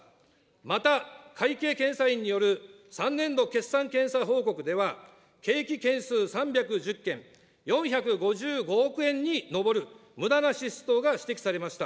また、会計検査院による３年度決算検査報告では、掲記件数３１０件、４５５億円に上るむだな支出等が指摘されました。